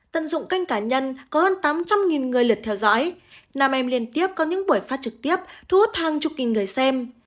tận dụng kênh cá nhân có hơn tám trăm linh người lượt theo dõi nam em liên tiếp có những buổi phát trực tiếp thu hút hàng chục nghìn người xem